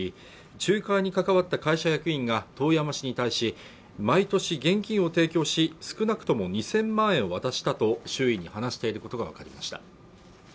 仲介に関わった会社役員が遠山氏に対し毎年現金を提供し少なくとも２０００万円を渡したと周囲に話していることが分かりました